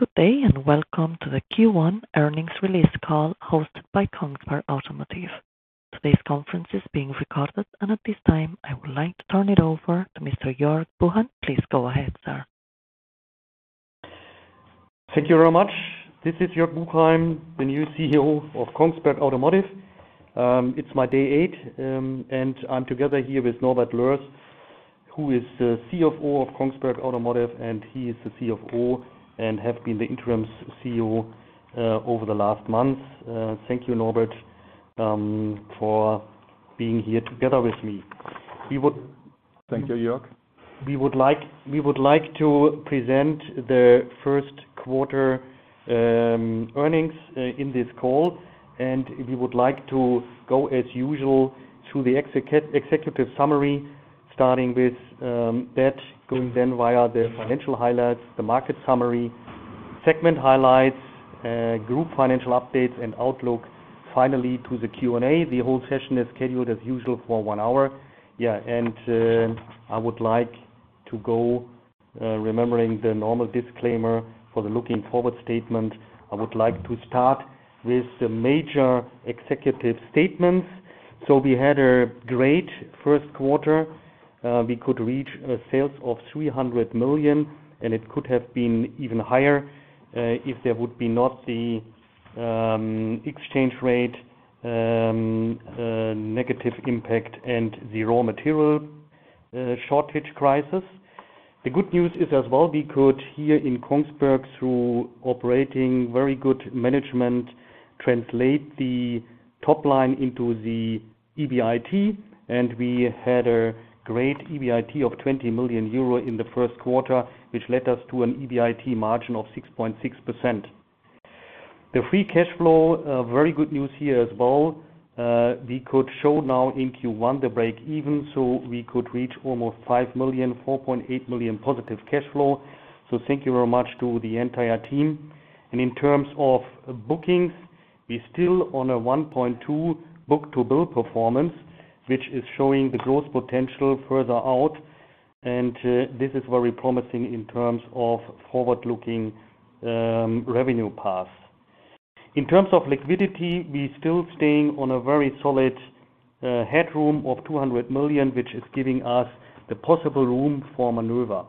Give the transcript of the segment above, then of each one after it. Good day, and welcome to the Q1 earnings release call hosted by Kongsberg Automotive. Today's conference is being recorded, and at this time, I would like to turn it over to Mr. Joerg Buchheim. Please go ahead, sir. Thank you very much. This is Joerg Buchheim, the new CEO of Kongsberg Automotive. It is my day eight, I am together here with Norbert Loers, who is the CFO of Kongsberg Automotive. He is the CFO and have been the interim CEO over the last month. Thank you, Norbert, for being here together with me. Thank you, Joerg. We would like to present the first quarter earnings in this call. We would like to go, as usual, through the executive summary, starting with that, going then via the financial highlights, the market summary, segment highlights, group financial updates, and outlook. Finally, to the Q&A. The whole session is scheduled, as usual, for one hour. I would like to go, remembering the normal disclaimer for the looking forward statement. I would like to start with the major executive statements. We had a great first quarter. We could reach sales of 300 million. It could have been even higher, if there would be not the exchange rate negative impact and the raw material shortage crisis. The good news is as well, we could here in Kongsberg, through operating very good management, translate the top line into the EBIT, and we had a great EBIT of 20 million euro in the first quarter, which led us to an EBIT margin of 6.6%. The free cash flow, very good news here as well. We could show now in Q1 the break even, so we could reach almost 5 million, 4.8 million positive cash flow. Thank you very much to the entire team. In terms of bookings, we're still on a 1.2 book-to-bill performance, which is showing the growth potential further out, and this is very promising in terms of forward-looking revenue path. In terms of liquidity, we're still staying on a very solid headroom of 200 million, which is giving us the possible room for maneuver.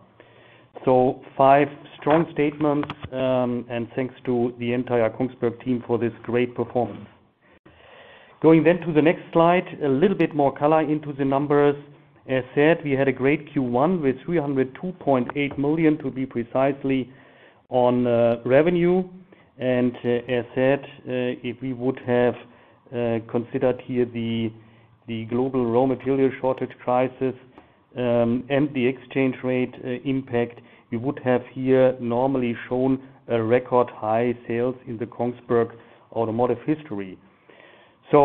Five strong statements, and thanks to the entire Kongsberg team for this great performance. Going to the next slide, a little bit more color into the numbers. As said, we had a great Q1 with 302.8 million to be precisely on revenue. As said, if we would have considered here the global raw material shortage crisis, and the exchange rate impact, we would have here normally shown a record high sales in the Kongsberg Automotive history. We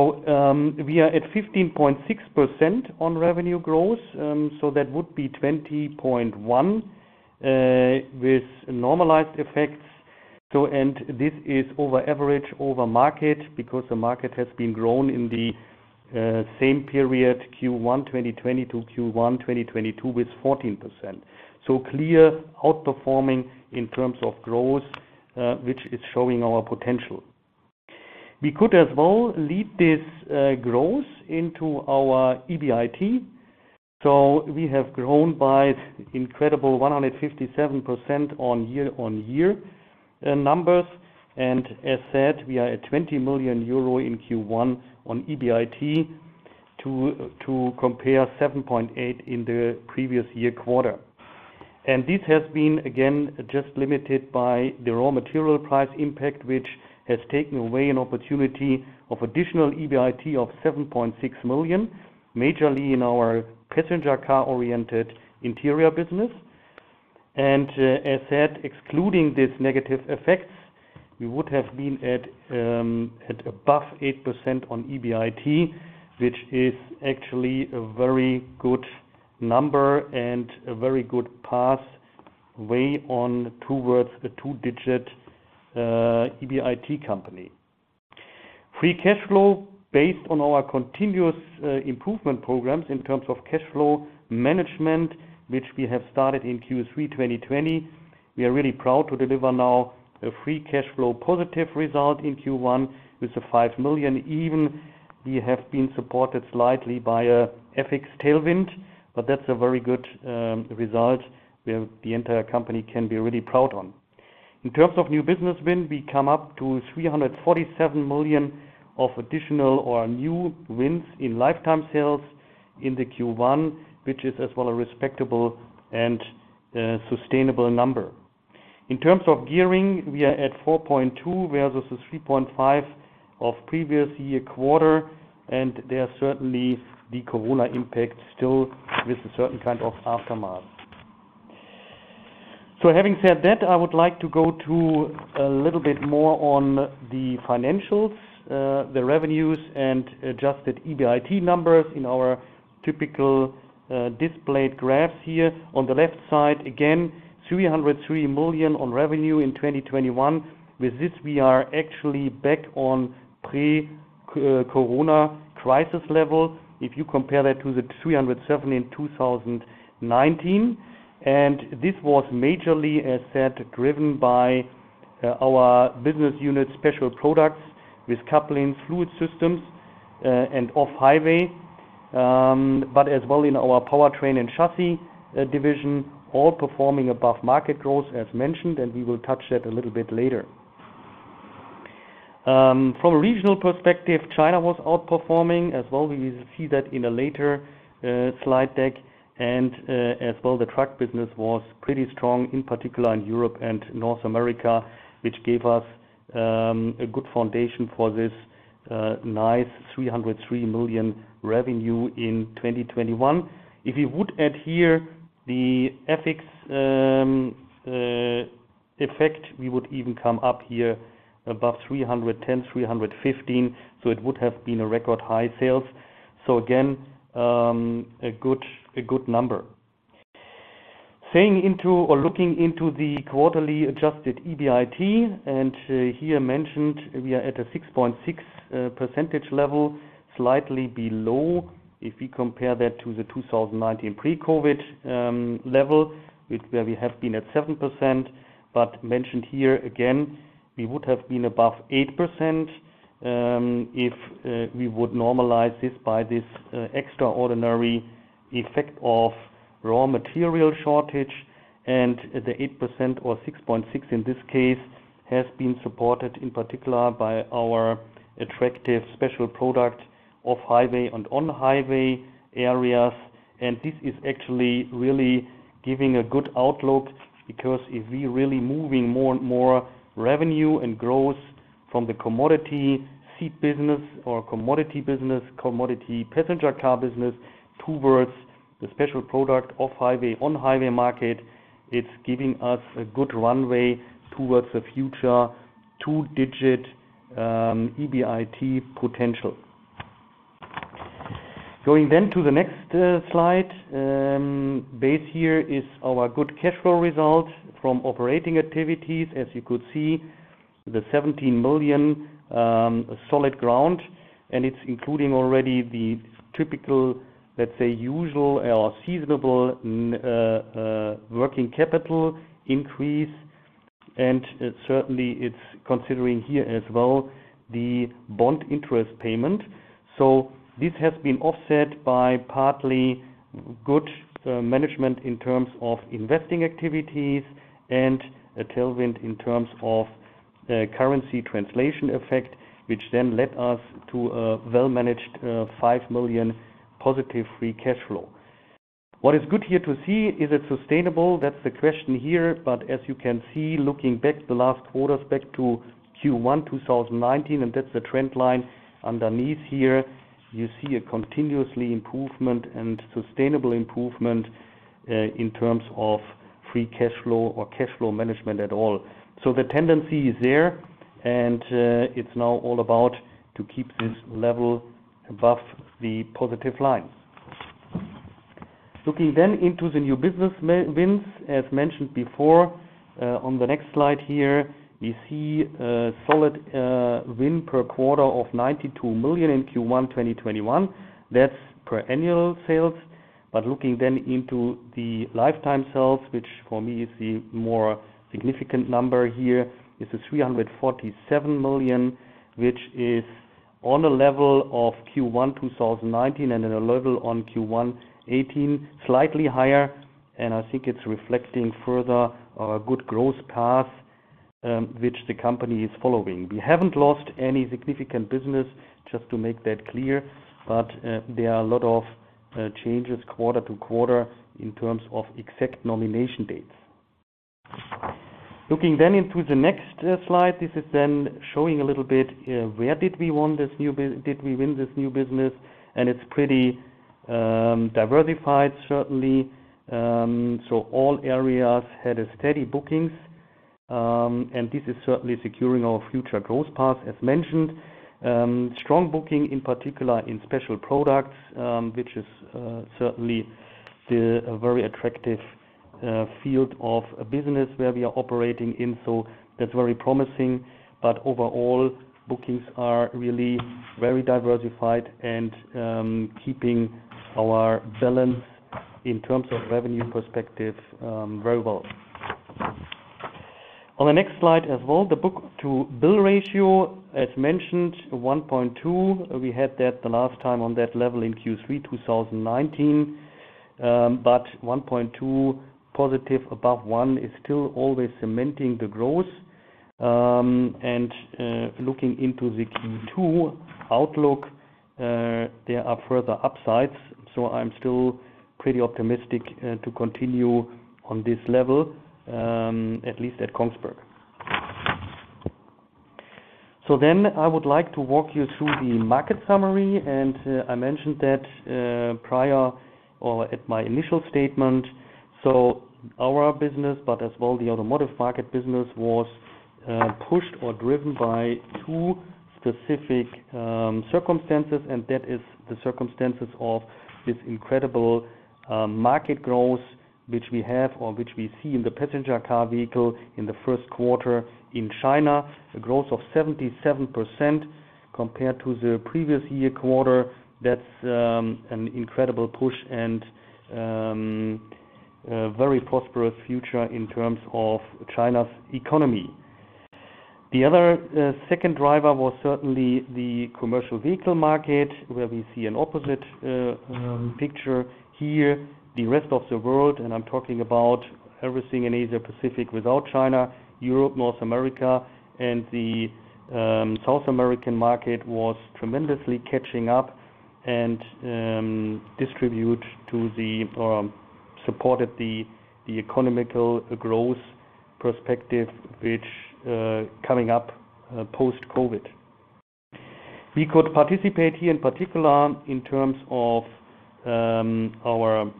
are at 15.6% on revenue growth. That would be 20.1% with normalized effects. This is over average over market because the market has been grown in the same period, Q1 2020-Q1 2022, with 14%. Clear outperforming in terms of growth, which is showing our potential. We could as well lead this growth into our EBIT. We have grown by incredible 157% on year-on-year numbers. As said, we are at 20 million euro in Q1 on EBIT to compare 7.8 in the previous year quarter. This has been again, just limited by the raw material price impact, which has taken away an opportunity of additional EBIT of 7.6 million, majorly in our passenger car-oriented Interior business. As said, excluding these negative effects, we would have been at above 8% on EBIT, which is actually a very good number and a very good pathway on towards a two-digit EBIT company. Free cash flow based on our continuous improvement programs in terms of cash flow management, which we have started in Q3 2020. We are really proud to deliver now a free cash flow positive result in Q1 with 5 million. Even we have been supported slightly by a FX tailwind, that's a very good result the entire company can be really proud on. In terms of new business win, we come up to 347 million of additional or new wins in lifetime sales in the Q1, which is as well a respectable and sustainable number. In terms of gearing, we are at 4.2 versus the 3.5 of previous year quarter, there are certainly the COVID impact still with a certain kind of aftermath. Having said that, I would like to go to a little bit more on the financials, the revenues, and adjusted EBIT numbers in our typical displayed graphs here. On the left side, again, 303 million on revenue in 2021. With this, we are actually back on pre-COVID crisis level, if you compare that to the 307 in 2019. This was majorly, as said, driven by our business unit Specialty Products with Couplings, Fluid Transfer Systems and Off-Highway, but as well in our Powertrain & Chassis division, all performing above market growth as mentioned. We will touch that a little bit later. From a regional perspective, China was outperforming. We will see that in a later slide deck. The truck business was pretty strong, in particular in Europe and North America, which gave us a good foundation for this nice 303 million revenue in 2021. If we would add here the FX effect, we would even come up here above 310 million, 315 million. It would have been a record-high sales. Again, a good number. Looking into the quarterly adjusted EBIT, here mentioned, we are at a 6.6% level, slightly below if we compare that to the 2019 pre-COVID level, where we have been at 7%. Mentioned here, again, we would have been above 8% if we would normalize this by this extraordinary effect of raw material shortage, the 8% or 6.6% in this case, has been supported in particular by our attractive Special Products Off-Highway and on-highway areas. This is actually really giving a good outlook, because if we really moving more and more revenue and growth from the commodity seat business or commodity business, commodity passenger car business, towards the Special Products Off-Highway, on-highway market, it's giving us a good runway towards a future two-digit EBIT potential. Going to the next slide. Base here is our good cash flow result from operating activities. As you could see, the 17 million solid ground, it's including already the typical, let's say, usual or seasonable working capital increase. Certainly, it's considering here as well the bond interest payment. This has been offset by partly good management in terms of investing activities and a tailwind in terms of currency translation effect, which then led us to a well-managed 5 million positive free cash flow. What is good here to see, is it sustainable? That's the question here. As you can see, looking back the last quarters, back to Q1 2019, that's the trend line underneath here, you see a continuous improvement and sustainable improvement in terms of free cash flow or cash flow management at all. The tendency is there, it's now all about to keep this level above the positive line. Looking into the new business wins, as mentioned before, on the next slide here, you see a solid win per quarter of 92 million in Q1 2021. That's per annual sales. Looking then into the lifetime sales, which for me is the more significant number here, is 347 million, which is on a level of Q1 2019 and then a level on Q1 2018, slightly higher. I think it's reflecting further our good growth path, which the company is following. We haven't lost any significant business, just to make that clear. There are a lot of changes quarter to quarter in terms of exact nomination dates. Looking then into the next slide, this is then showing a little bit where did we win this new business, and it's pretty diversified certainly. All areas had a steady bookings, and this is certainly securing our future growth path as mentioned. Strong booking, in particular in Special Products, which is certainly still a very attractive field of business where we are operating in. That's very promising, but overall, bookings are really very diversified and keeping our balance in terms of revenue perspective, very well. On the next slide as well, the book-to-bill ratio, as mentioned, 1.2. We had that the last time on that level in Q3 2019. 1.2 positive above one is still always cementing the growth. Looking into the Q2 outlook, there are further upsides, so I'm still pretty optimistic to continue on this level, at least at Kongsberg. I would like to walk you through the market summary, and I mentioned that prior or at my initial statement. Our business, but as well, the automotive market business was pushed or driven by two specific circumstances, and that is the circumstances of this incredible market growth which we have or which we see in the passenger car vehicle in the first quarter in China, a growth of 77%. Compared to the previous year quarter, that's an incredible push and a very prosperous future in terms of China's economy. The other second driver was certainly the commercial vehicle market, where we see an opposite picture here, the rest of the world, and I'm talking about everything in Asia-Pacific without China, Europe, North America, and the South American market was tremendously catching up and supported the economic growth perspective, which coming up post-COVID. We could participate here, in particular, in terms of our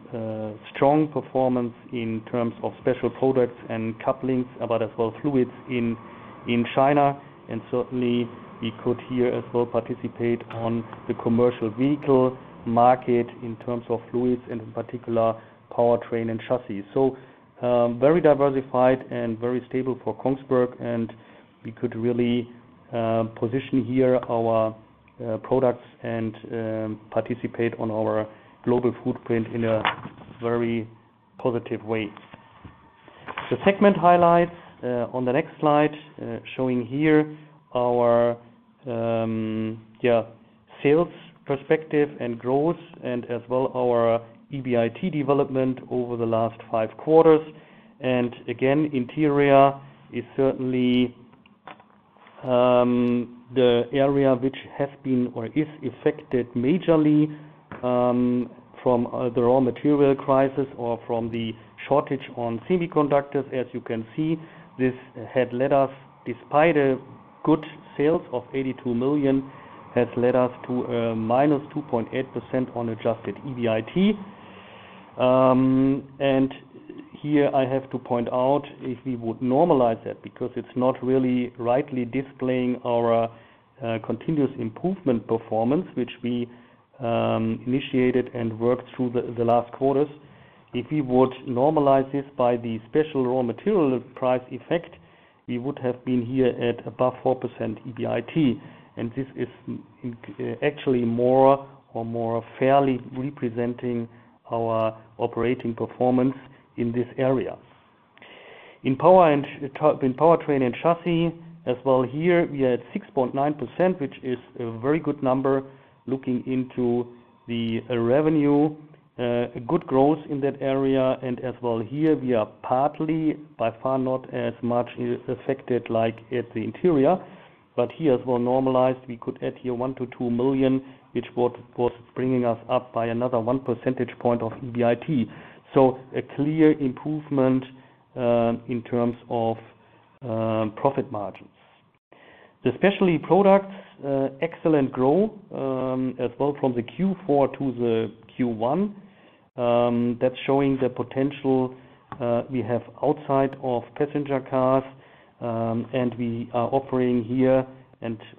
strong performance in terms of Special Products and Couplings, but as well Fluids in China. Certainly, we could here as well participate on the commercial vehicle market in terms of fluids and in particular, Powertrain & Chassis. Very diversified and very stable for Kongsberg, and we could really position here our products and participate on our global footprint in a very positive way. The segment highlights, on the next slide, showing here our sales perspective and growth, and as well our EBIT development over the last five quarters. Again, Interior is certainly the area which has been or is affected majorly from the raw material crisis or from the shortage on semiconductors. As you can see, this had led us, despite a good sales of 82 million, has led us to a minus 2.8% on adjusted EBIT. Here I have to point out, if we would normalize that, because it's not really rightly displaying our continuous improvement performance, which we initiated and worked through the last quarters. If we would normalize this by the special raw material price effect, we would have been here at above 4% EBIT. This is actually more or more fairly representing our operating performance in this area. In Powertrain & Chassis, as well here, we are at 6.9%, which is a very good number looking into the revenue, a good growth in that area, and as well here, we are partly, by far not as much affected like at the Interior. Here as well normalized, we could add here 1 million-2 million, which was bringing us up by another one percentage point of EBIT. A clear improvement in terms of profit margins. The Specialty Products, excellent growth, as well from the Q4 to the Q1. That's showing the potential we have outside of passenger cars, we are offering here,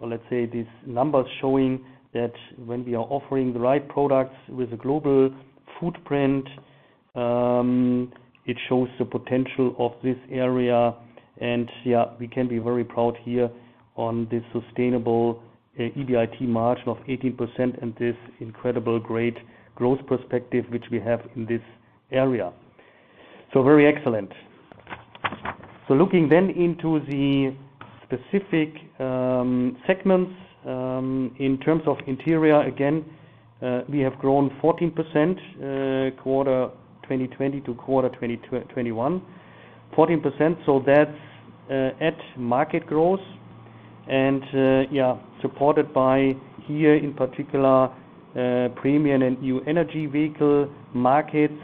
let's say, these numbers showing that when we are offering the right products with a global footprint, it shows the potential of this area. Yeah, we can be very proud here on this sustainable EBIT margin of 18% and this incredible great growth perspective which we have in this area. Very excellent. Looking into the specific segments, in terms of Interior, again, we have grown 14% quarter 2020 to quarter 2021. 14%, that's at market growth, yeah, supported by here, in particular, premium and new energy vehicle markets,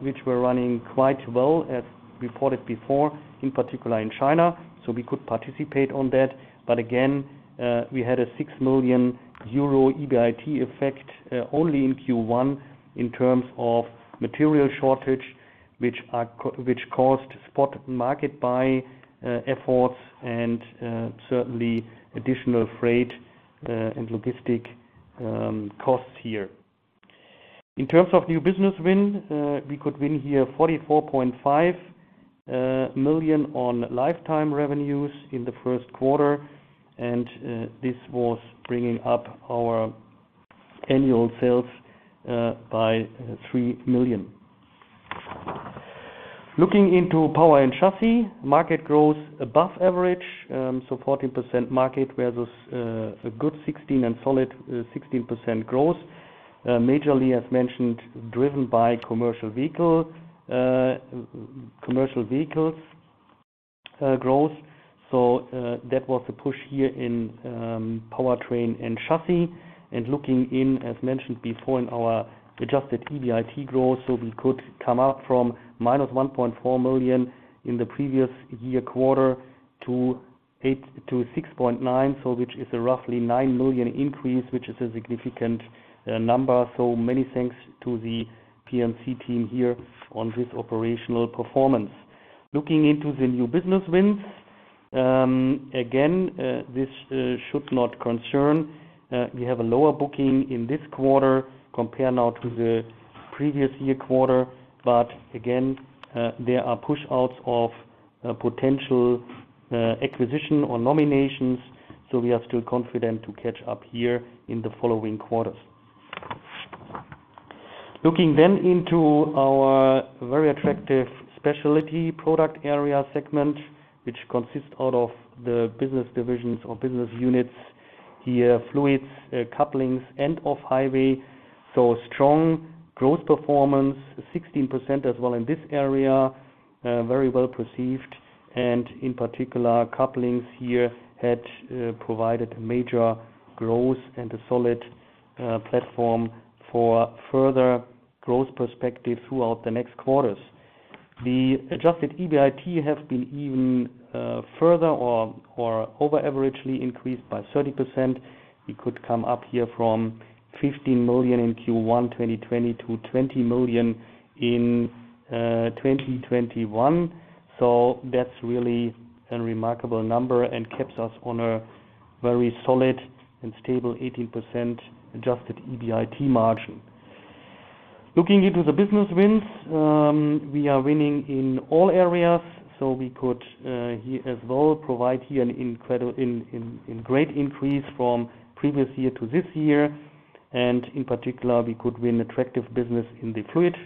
which were running quite well as reported before, in particular in China. We could participate on that. Again, we had a 6 million euro EBIT effect only in Q1 in terms of material shortage, which caused spot market buy efforts and certainly additional freight and logistic costs here. In terms of new business win, we could win here 44.5 million on lifetime revenues in the first quarter, and this was bringing up our annual sales by 3 million. Looking into Powertrain & Chassis, market growth above average, 14% market whereas a good 16% and solid 16% growth, majorly as mentioned, driven by commercial vehicles growth. That was a push here in Powertrain & Chassis. Looking in, as mentioned before, in our adjusted EBIT growth, we could come up from minus 1.4 million in the previous year quarter to 6.9, which is a roughly 9 million increase, which is a significant number. Many thanks to the P&C team here on this operational performance. Looking into the new business wins, again, this should not concern. We have a lower booking in this quarter compared now to the previous year quarter. Again, there are push outs of a potential acquisition or nominations. We are still confident to catch up here in the following quarters. Looking into our very attractive Specialty Products area segment, which consists out of the business divisions or business units here, fluids, Couplings and Off-Highway. Strong growth performance, 16% as well in this area, very well perceived. In particular, Couplings here had provided a major growth and a solid platform for further growth perspective throughout the next quarters. The adjusted EBIT have been even further or over-averagely increased by 30%. We could come up here from 15 million in Q1 2020 to 20 million in 2021. That's really a remarkable number and keeps us on a very solid and stable 18% adjusted EBIT margin. Looking into the business wins, we are winning in all areas. We could, as well, provide here a great increase from previous year to this year. In particular, we could win attractive business in the Fluid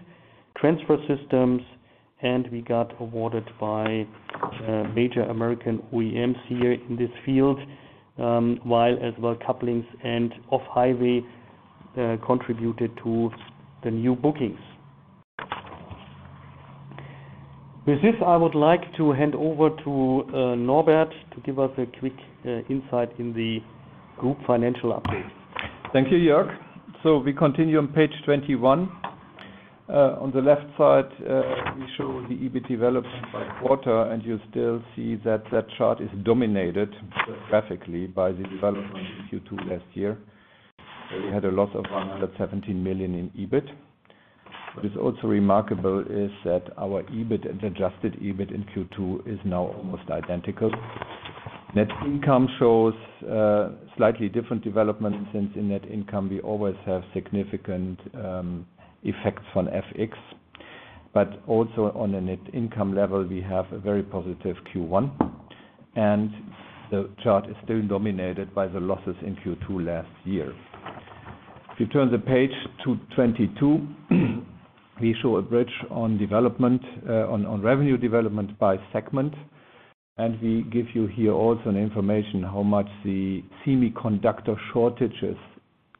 Transfer Systems and we got awarded by major American OEMs here in this field, while as well Couplings and Off-Highway contributed to the new bookings. With this, I would like to hand over to Norbert to give us a quick insight in the group financial update. Thank you, Joerg. We continue on page 21. On the left side, we show the EBIT development by quarter, and you still see that that chart is dominated graphically by the development in Q2 last year, where we had a loss of 117 million in EBIT. What is also remarkable is that our EBIT and adjusted EBIT in Q2 is now almost identical. Net income shows a slightly different development since in net income we always have significant effects on FX. Also on a net income level, we have a very positive Q1, and the chart is still dominated by the losses in Q2 last year. If you turn the page to 22, we show a bridge on revenue development by segment. We give you here also an information how much the semiconductor shortages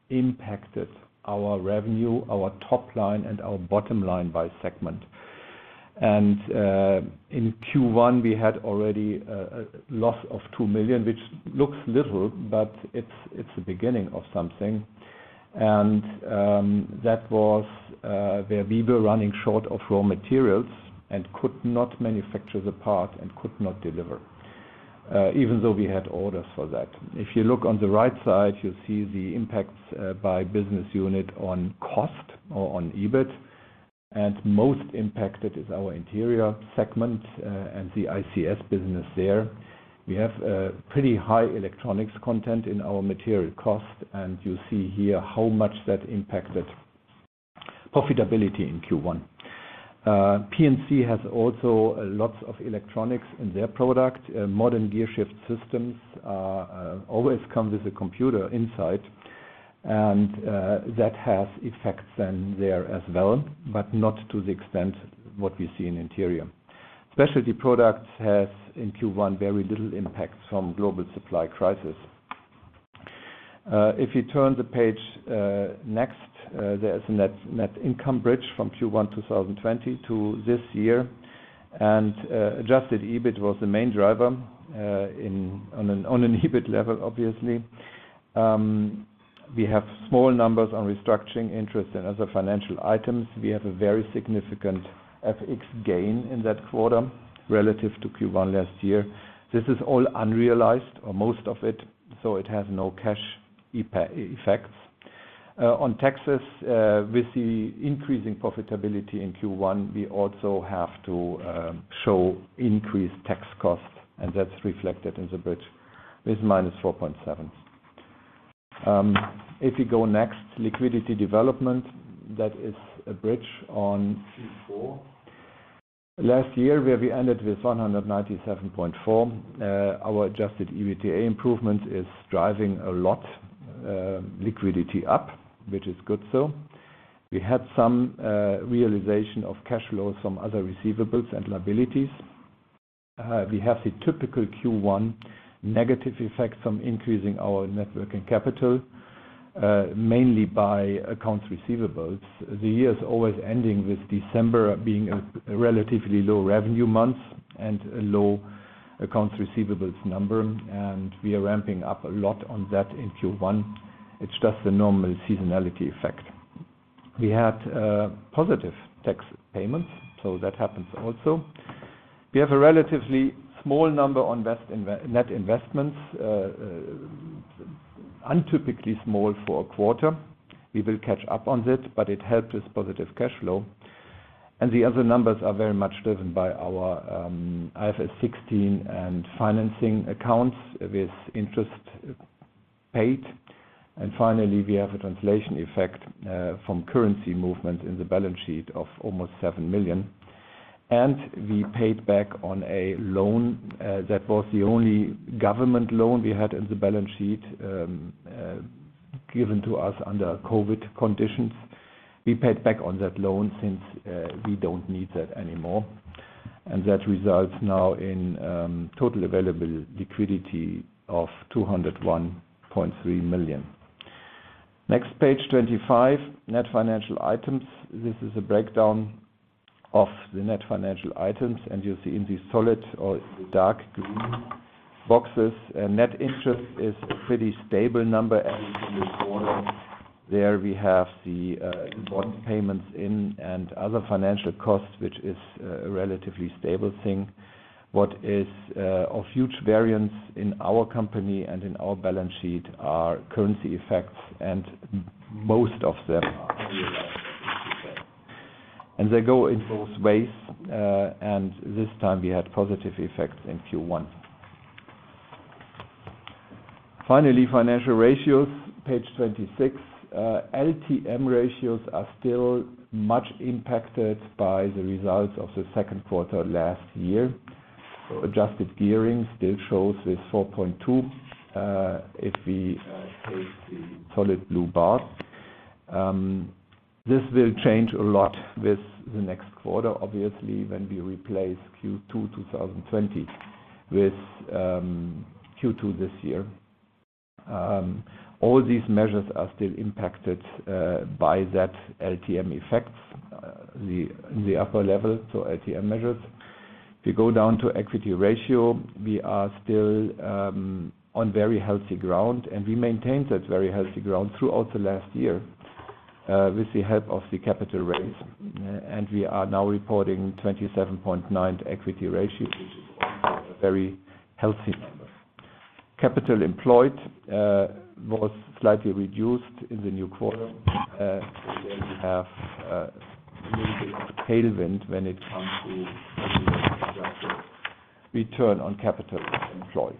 impacted our revenue, our top line and our bottom line by segment. In Q1, we had already a loss of 2 million, which looks little, but it's the beginning of something. That was where we were running short of raw materials and could not manufacture the part and could not deliver, even though we had orders for that. If you look on the right side, you'll see the impacts by business unit on cost or on EBIT. Most impacted is our Interior segment and the ICS business there. We have a pretty high electronics content in our material cost, and you see here how much that impacted profitability in Q1. P&C has also lots of electronics in their product. Modern gearshift systems always come with a computer inside, and that has effects then there as well, but not to the extent what we see in Interior. Specialty Products has, in Q1, very little impact from global supply crisis. If you turn the page next, there is a net income bridge from Q1 2020 to this year. Adjusted EBIT was the main driver on an EBIT level, obviously. We have small numbers on restructuring interest and other financial items. We have a very significant FX gain in that quarter relative to Q1 last year. This is all unrealized or most of it, so it has no cash effects. On taxes, with the increasing profitability in Q1, we also have to show increased tax cost, and that's reflected in the bridge with -4.7. If you go next, liquidity development. That is a bridge on Q4. Last year, where we ended with 197.4. Our adjusted EBITDA improvement is driving a lot liquidity up, which is good so. We had some realization of cash flow from other receivables and liabilities. We have the typical Q1 negative effect from increasing our net working capital, mainly by accounts receivables. The year is always ending with December being a relatively low revenue month and a low accounts receivables number. We are ramping up a lot on that in Q1. It's just the normal seasonality effect. We had positive tax payments, that happens also. We have a relatively small number on net investments, untypically small for a quarter. We will catch up on that, but it helped with positive cash flow. The other numbers are very much driven by our IFRS 16 and financing accounts with interest paid. Finally, we have a translation effect from currency movement in the balance sheet of almost 7 million. We paid back on a loan that was the only government loan we had in the balance sheet, given to us under COVID conditions. We paid back on that loan since we don't need that anymore. That results now in total available liquidity of 201.3 million. Next, page 25, net financial items. This is a breakdown of the net financial items. You see in the solid or the dark green boxes, net interest is a pretty stable number. In this quarter, there we have the bond payments in and other financial costs, which is a relatively stable thing. What is of huge variance in our company and in our balance sheet are currency effects, and most of them are unrealized FX effects. They go in both ways. This time we had positive effects in Q1. Finally, financial ratios, page 26. LTM ratios are still much impacted by the results of the second quarter last year. Adjusted gearing still shows this 4.2, if we take the solid blue bar. This will change a lot with the next quarter, obviously, when we replace Q2 2020 with Q2 this year. All these measures are still impacted by that LTM effects, the upper level, so LTM measures. We maintained that very healthy ground throughout the last year, with the help of the capital raise. We are now reporting 27.9 equity ratio, which is also a very healthy number. Capital employed was slightly reduced in the new quarter. There we have a little bit of a tailwind when it comes to return on capital employed.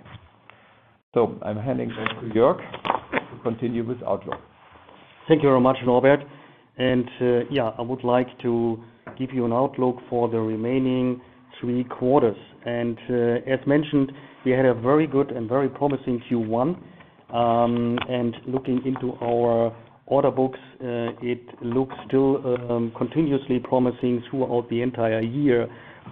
I'm handing over to Joerg to continue with outlook. Thank you very much, Norbert. I would like to give you an outlook for the remaining three quarters. As mentioned, we had a very good and very promising Q1. Looking into our order books, it looks still continuously promising throughout the entire year.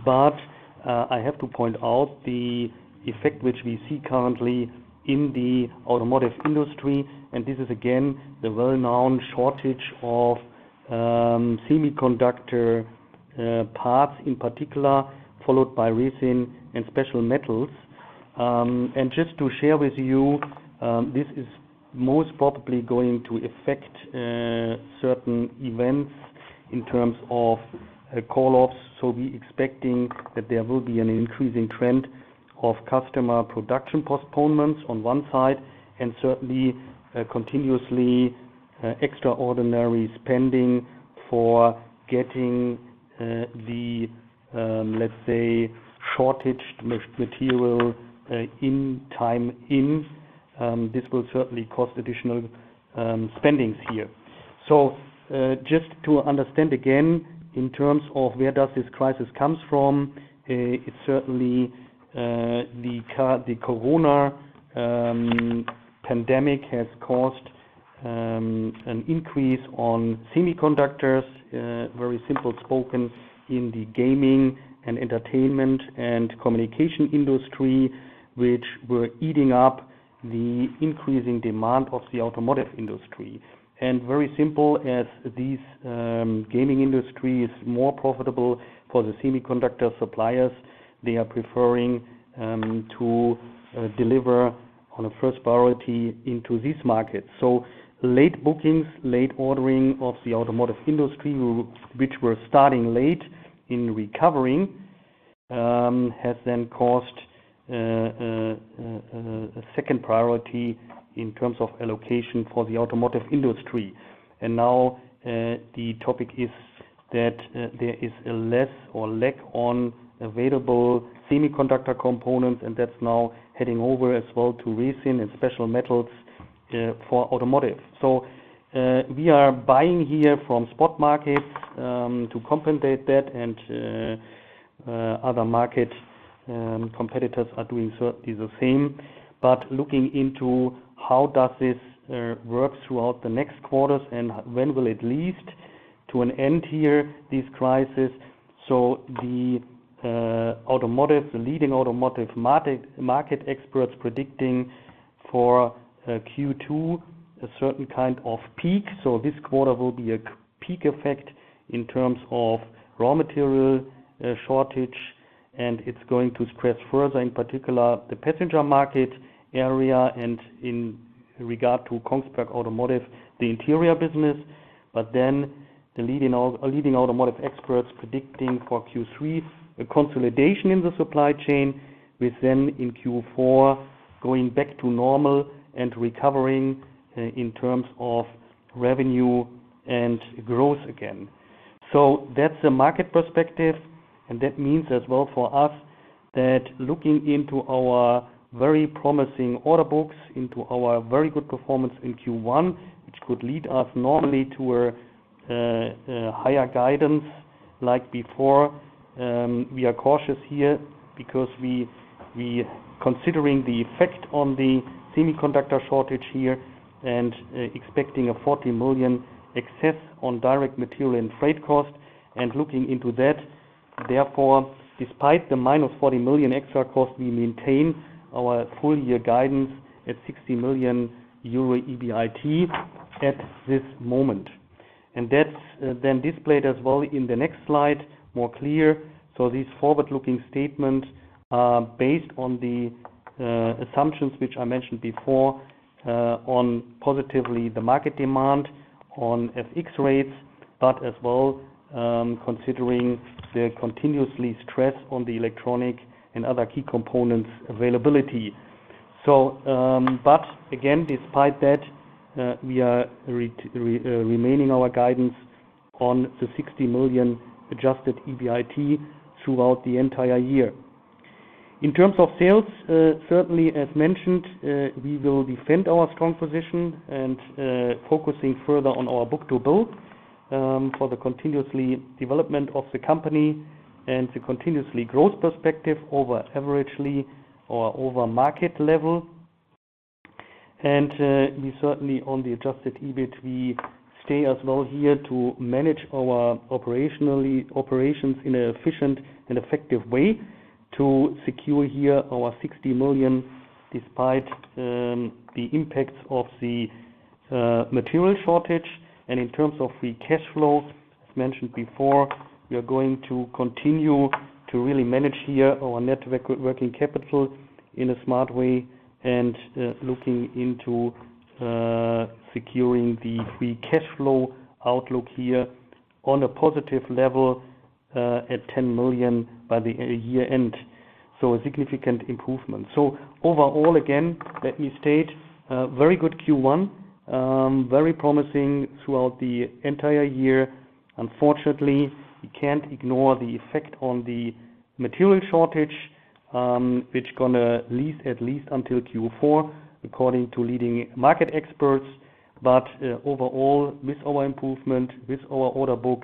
I have to point out the effect which we see currently in the automotive industry, and this is again, the well-known shortage of semiconductor parts in particular, followed by resin and special metals. Just to share with you, this is most probably going to affect certain events in terms of call-offs. Be expecting that there will be an increasing trend of customer production postponements on one side, and certainly, continuously extraordinary spending for getting the, let's say, shortage material in time in. This will certainly cost additional spendings here. Just to understand again, in terms of where does this crisis comes from, it's certainly the corona pandemic has caused an increase on semiconductors, very simple spoken, in the gaming and entertainment and communication industry, which were eating up the increasing demand of the automotive industry. Very simple, as this gaming industry is more profitable for the semiconductor suppliers, they are preferring to deliver on a first priority into this market. Late bookings, late ordering of the automotive industry, which were starting late in recovering, has then caused a second priority in terms of allocation for the automotive industry. Now, the topic is that there is a less or lack on available semiconductor components, and that's now heading over as well to resin and special metals for automotive. We are buying here from spot markets to compensate that, and other market competitors are doing the same. Looking into how does this work throughout the next quarters and when will it lead to an end here, this crisis. The leading automotive market experts predicting for Q2 a certain kind of peak. This quarter will be a peak effect in terms of raw material shortage, and it's going to stress further, in particular the passenger market area and in regard to Kongsberg Automotive, the Interior business. The leading automotive experts predicting for Q3 a consolidation in the supply chain, with then in Q4 going back to normal and recovering in terms of revenue and growth again. That is the market perspective, and that means as well for us looking into our very promising order books, into our very good performance in Q1, which could lead us normally to a higher guidance like before. We are cautious here because we are considering the effect on the semiconductor shortage here and expecting a 40 million excess on direct material and freight cost and looking into that. Despite the minus 40 million extra cost, we maintain our full year guidance at 60 million euro EBIT at this moment. That is displayed as well in the next slide more clear. This forward-looking statement based on the assumptions which I mentioned before, on positively the market demand, on FX rates, but as well considering the continuously stress on the electronic and other key components availability. Again, despite that, we are remaining our guidance on the 60 million adjusted EBIT throughout the entire year. In terms of sales, certainly as mentioned, we will defend our strong position and focusing further on our book-to-bill for the continuously development of the company and the continuously growth perspective over averagely or over market level. We certainly on the adjusted EBIT, we stay as well here to manage our operations in an efficient and effective way to secure here our 60 million despite the impacts of the material shortage. In terms of free cash flow, as mentioned before, we are going to continue to really manage here our net working capital in a smart way and looking into securing the free cash flow outlook here on a positive level at 10 million by the year-end. A significant improvement. Overall, again, let me state, very good Q1, very promising throughout the entire year. Unfortunately, we can't ignore the effect on the material shortage, which going to last at least until Q4, according to leading market experts. Overall, with our improvement, with our order book,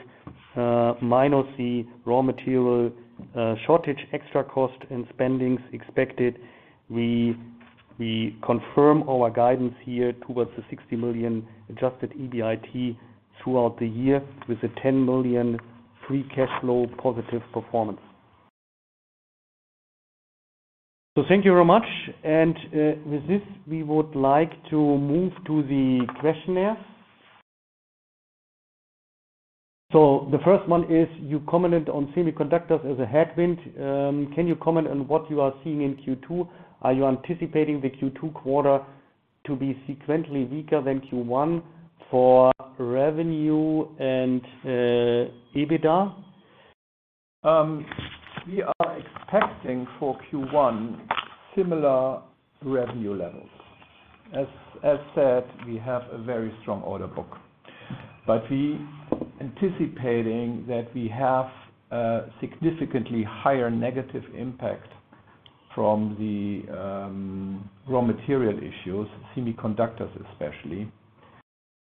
minus the raw material shortage, extra cost and spendings expected, we confirm our guidance here towards the 60 million adjusted EBIT throughout the year with a 10 million free cash flow positive performance. Thank you very much. With this, we would like to move to the questionnaires. The first one is, "You commented on semiconductors as a headwind. Can you comment on what you are seeing in Q2? Are you anticipating the Q2 quarter to be sequentially weaker than Q1 for revenue and EBITDA? We are expecting for Q1 similar revenue levels. As said, we have a very strong order book. We anticipating that we have a significantly higher negative impact from the raw material issues, semiconductors especially,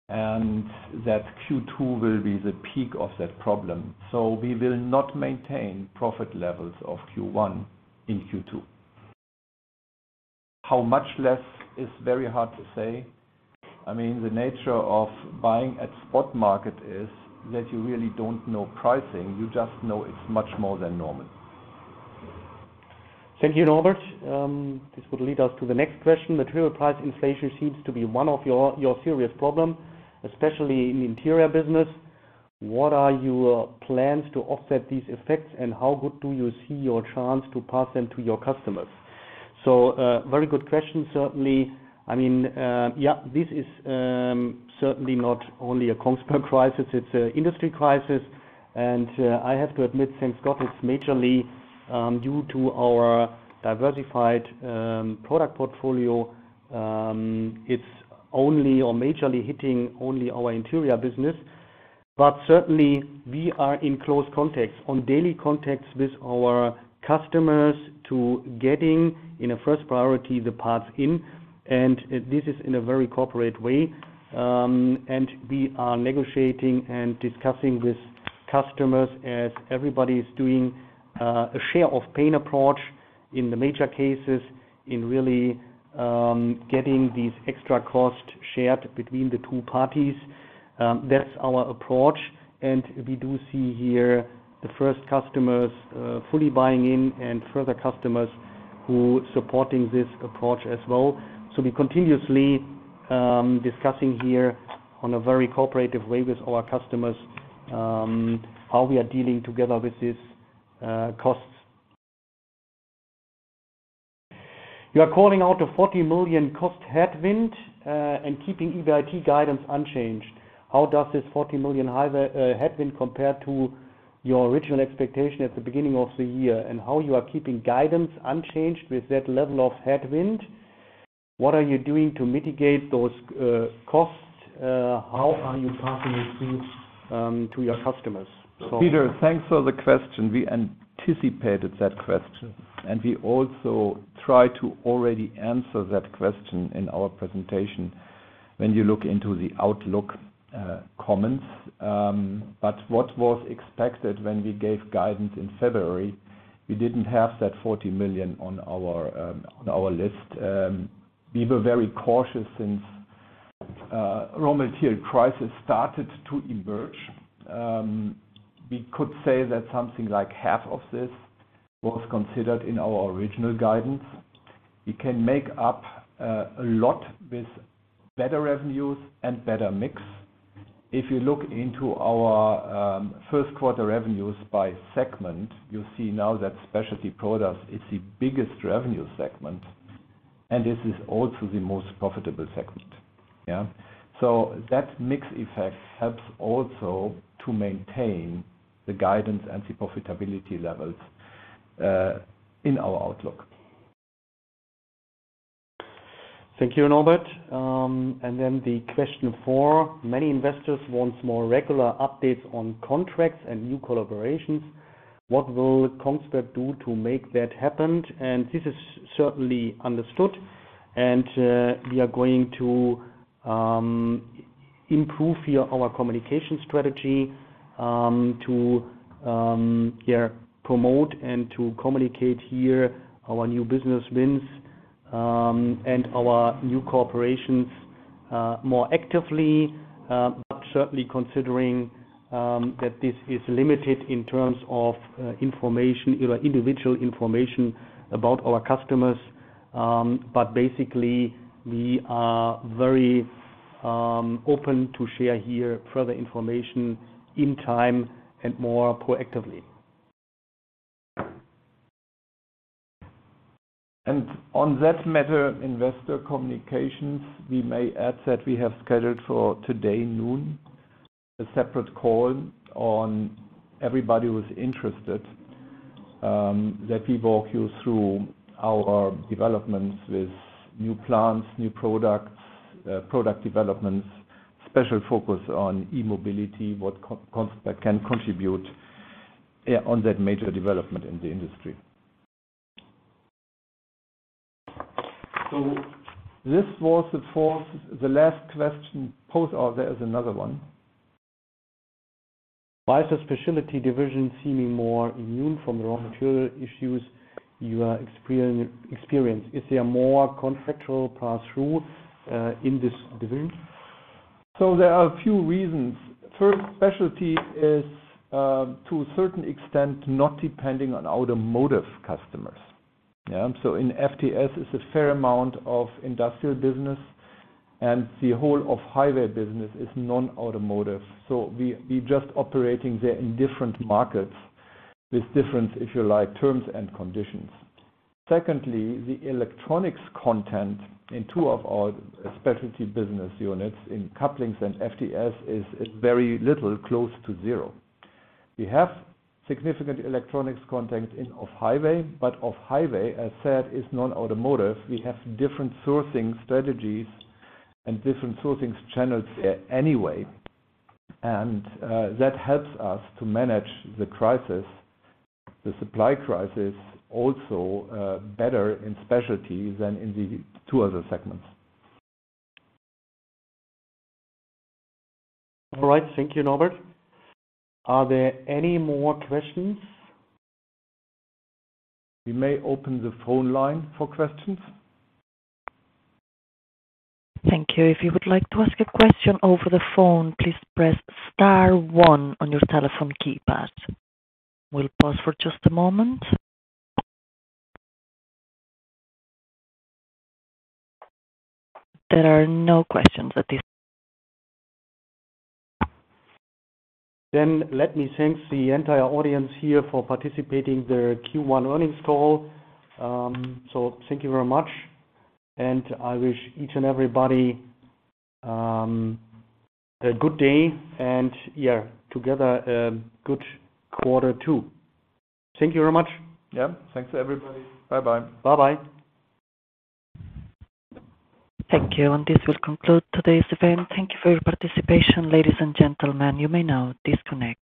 and that Q2 will be the peak of that problem. We will not maintain profit levels of Q1 in Q2. How much less is very hard to say. I mean, the nature of buying at spot market is that you really don't know pricing. You just know it's much more than normal. Thank you, Norbert. This would lead us to the next question. "Material price inflation seems to be one of your serious problem, especially in Interior business. What are your plans to offset these effects, and how good do you see your chance to pass them to your customers?" Very good question. Certainly, this is certainly not only a Kongsberg crisis, it's a industry crisis. I have to admit, thank God, it's majorly due to our diversified product portfolio. It's only or majorly hitting only our Interior business. Certainly, we are in close contacts, on daily contacts with our customers to getting in a first priority the parts in, and this is in a very corporate way. We are negotiating and discussing with customers as everybody is doing a share of pain approach in the major cases in really getting these extra cost shared between the two parties. That's our approach. We do see here the first customers fully buying in and further customers who supporting this approach as well. We continuously discussing here on a very cooperative way with our customers, how we are dealing together with these costs. "You are calling out a 40 million cost headwind, and keeping EBIT guidance unchanged. How does this 40 million headwind compare to your original expectation at the beginning of the year, and how you are keeping guidance unchanged with that level of headwind?" What are you doing to mitigate those costs? How are you passing these through to your customers? Peter, thanks for the question. We anticipated that question, and we also tried to already answer that question in our presentation when you look into the outlook comments. What was expected when we gave guidance in February, we didn't have that 40 million on our list. We were very cautious since raw material crisis started to emerge. We could say that something like half of this was considered in our original guidance. We can make up a lot with better revenues and better mix. If you look into our first quarter revenues by segment, you see now that Specialty Products is the biggest revenue segment, and this is also the most profitable segment. Yeah. That mix effect helps also to maintain the guidance and the profitability levels in our outlook. Thank you, Norbert. Then the question four. Many investors want more regular updates on contracts and new collaborations. What will Kongsberg do to make that happen? This is certainly understood, and we are going to improve our communication strategy to promote and to communicate our new business wins, and our new corporations more actively. Certainly considering that this is limited in terms of individual information about our customers. Basically, we are very open to share here further information in time and more proactively. On that matter, investor communications, we may add that we have scheduled for today noon, a separate call on everybody who's interested, that we walk you through our developments with new plants, new products, product developments, special focus on e-mobility, what Kongsberg can contribute on that major development in the industry. This was the fourth, the last question. There is another one. Why is the Specialty division seeming more immune from the raw material issues you are experiencing? Is there more contractual pass-through in this division? There are a few reasons. First, Specialty is, to a certain extent, not depending on automotive customers. In FTS, it's a fair amount of industrial business, and the whole Off-Highway business is non-automotive. We're just operating there in different markets with different, if you like, terms and conditions. Secondly, the electronics content in two of our Specialty business units, in Couplings and FTS, is very little, close to zero. We have significant electronics content in Off-Highway, but Off-Highway, as said, is non-automotive. We have different sourcing strategies and different sourcing channels there anyway, and that helps us to manage the supply crisis also better in Specialty than in the two other segments. All right. Thank you, Norbert. Are there any more questions? We may open the phone line for questions. Thank you. If you would like to ask a question over the phone, please press star one on your telephone keypad. We will pause for just a moment. There are no questions at this time. Let me thank the entire audience here for participating the Q1 earnings call. Thank you very much, and I wish each and everybody a good day and together, a good quarter two. Thank you very much. Yeah. Thanks, everybody. Bye bye. Bye bye. Thank you. This will conclude today's event. Thank you for your participation, ladies and gentlemen. You may now disconnect.